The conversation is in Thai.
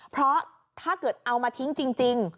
เพราะถ้าเกิดเอามาทิ้งจริง